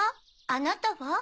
あなたは？